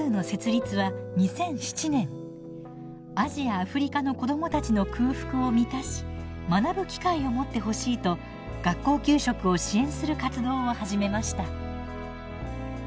アジア・アフリカの子どもたちの空腹を満たし学ぶ機会を持ってほしいと学校給食を支援する活動を始めました。